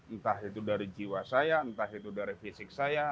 entah itu dari jiwa saya entah itu dari fisik saya